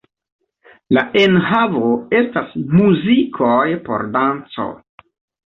La enhavo estas muzikoj por danco.